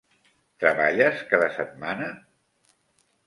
Treballes cada setmana?